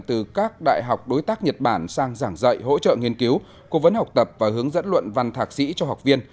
từ các đại học đối tác nhật bản sang giảng dạy hỗ trợ nghiên cứu cố vấn học tập và hướng dẫn luận văn thạc sĩ cho học viên